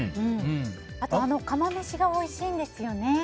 あと、あの釜飯がおいしいんですよね。